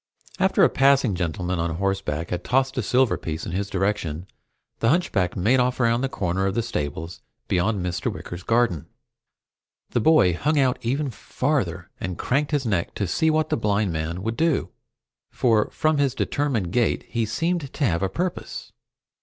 After a passing gentleman on horseback had tossed a silver piece in his direction, the hunchback made off around the corner of the stables beyond Mr. Wicker's garden. The boy hung out even farther and craned his neck to see what the blind man would do, for from his determined gait he seemed to have a purpose.